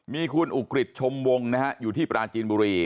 มีคุณอุกฤษชมวงนะฮะอยู่ที่ปราจีนบุรี